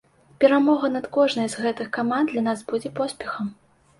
Перамога над кожнай з гэтых каманд для нас будзе поспехам.